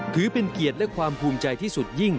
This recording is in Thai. ถือเป็นเกียรติและความภูมิใจที่สุดยิ่ง